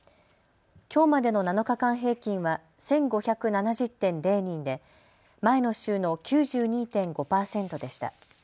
きょうまでの７日間平均は１５７０．０人で前の週の９２．５％でした。